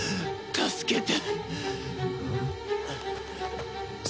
助けて。